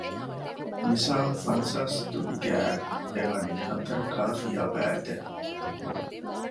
މިސާލު ފަންސާސް ދުވި ގައި އެ ވަނީ ހަތަރުކާފިޔާ ބައިތެއް